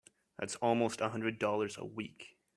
That's almost a hundred dollars a week!